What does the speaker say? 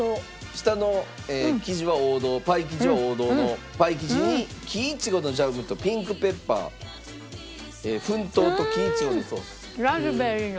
下の生地は王道パイ生地は王道のパイ生地に木苺のジャムとピンクペッパー粉糖と木苺のソース。